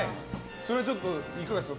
それはちょっといかがですか？